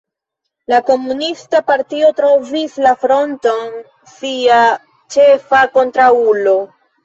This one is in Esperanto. La komunista partio trovis la Fronton sia ĉefa kontraŭulo.